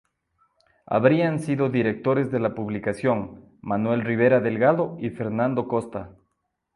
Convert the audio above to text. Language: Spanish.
Habrían sido directores de la publicación Manuel Rivera Delgado y Fernando Costa.